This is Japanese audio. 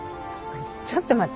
ちょっと待って。